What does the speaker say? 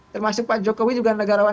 termasuk pak jokowi juga negarawan